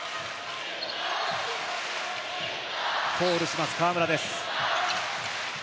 コールします、河村です。